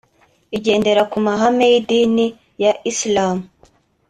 igendera ku mahame y’idini ya Islam